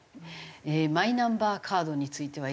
マイナンバーカードについてはいかがでしょうか？